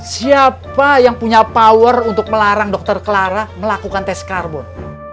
siapa yang punya power untuk melarang dokter clara melakukan tes karbon